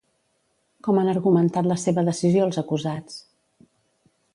Com han argumentat la seva decisió els acusats?